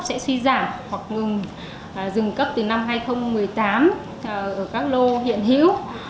sẽ suy giảm hoặc ngừng dừng cấp từ năm hai nghìn một mươi tám ở các lô hiện hữu